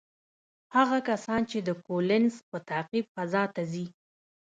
هغه کسان چې د کولینز په تعقیب فضا ته ځي،